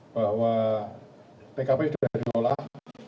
bahwa tkp sudah diolah